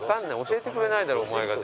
教えてくれないだろお前が。